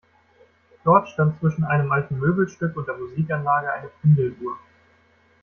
Dort stand zwischen einem alten Möbelstück und der Musikanlage eine Pendeluhr.